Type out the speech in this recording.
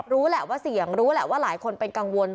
รู้แหละว่าเสี่ยงรู้แหละว่าหลายคนเป็นกังวล